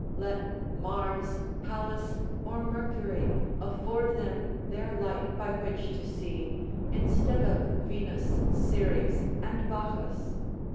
Let Mars, Pallas, or Mercury afford them their light by which to see, instead of Venus, Ceres, and Bacchus.